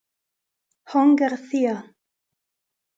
Jon García